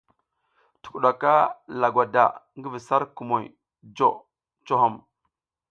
Tukuɗaka lagwada ngi vi sar kumuŋ jo cohom.